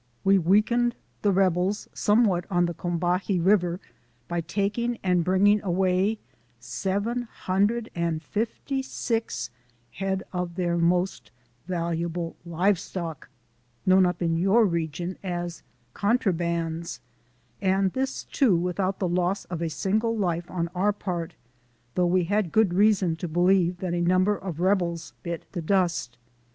We weakened the rebels somewhat on the Combahee River, by taking and bringing away seven hundred and fifty six head of their most val uable live stock, known up in your region as " con trabands," and this, too, without the loss of a sin gle life on our part, though we had good reason to believe that a number of rebels bit the dust.